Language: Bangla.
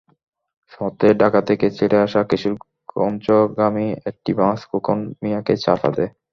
পথে ঢাকা থেকে ছেড়ে আসা কিশোরগঞ্জগামী একটি বাস খোকন মিয়াকে চাপা দেয়।